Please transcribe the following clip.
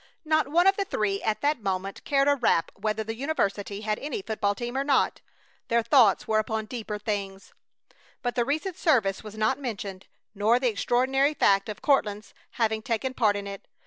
Not one of the three at that moment cared a rap whether the university had any football team or not. Their thoughts were upon deeper things. But the recent service was not mentioned, nor the extraordinary fact of Courtland's having taken part in it.